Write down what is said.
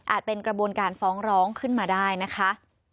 เป็นกระบวนการฟ้องร้องขึ้นมาได้นะคะ